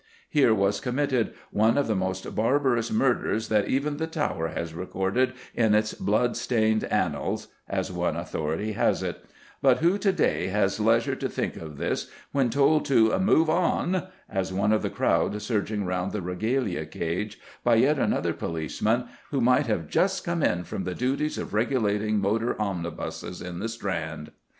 Here was committed "one of the most barbarous murders that even the Tower has recorded in its blood stained annals," as one authority has it; but who to day has leisure to think of this when told to "move on," as one of the crowd surging round the regalia cage, by yet another policeman who might have just come in from the duties of regulating motor omnibuses in the Strand?